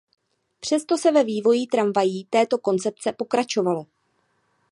Přesto se ve vývoji tramvají této koncepce pokračovalo.